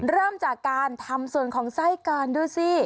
เริ่มจากการทำส่วนของไส้กรดูสิ